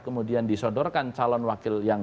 kemudian disodorkan calon wakil yang